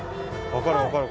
分かる分かる